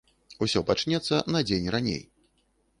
Усё пачнецца на дзень раней.